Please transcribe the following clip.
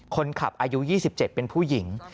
คนขับอายุ๒๗เป็นผู้หญิง